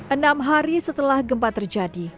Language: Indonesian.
enam hari setelah gempa terjadi